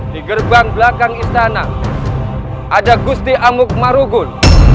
di gerbang belakang istana ada gusti amuk marugun